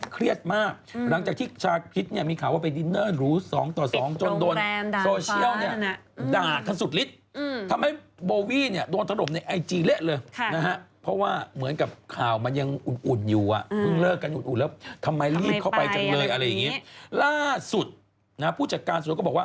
ความกับชาคริตคือแน่นอนโดนถล่มเละเลยล่ะโบวี่อาธมา